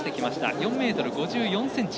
４ｍ５４ｃｍ。